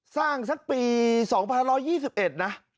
สร้างสักปี๒๒๑นะ